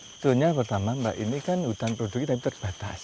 sebetulnya pertama mbak ini kan hutan produknya terbatas